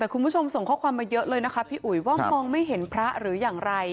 แต่คุณผู้ชมส่งข้อความมาเยอะเลยนะคะพี่อุ๋ยว่ามองไม่เห็นพระหรืออย่างไร